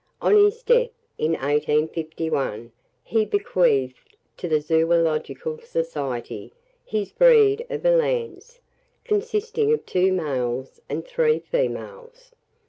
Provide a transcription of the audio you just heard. On his death, in 1851, he bequeathed to the Zoological Society his breed of elands, consisting of two males and three females.